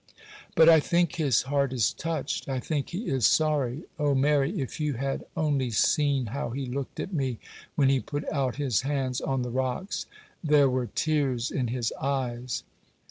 'But I think his heart is touched,—I think he is sorry. Oh, Mary, if you had only seen how he looked at me, when he put out his hands on the rocks,—there were tears in his eyes.